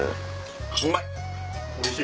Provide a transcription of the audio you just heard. うまい！